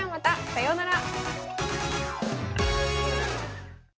さようなら。